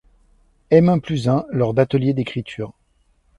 Aymin-Pluzin lors d'ateliers d'écriture.